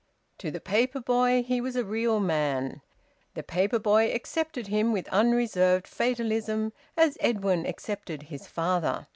To the paper boy he was a real man. The paper boy accepted him with unreserved fatalism, as Edwin accepted his father.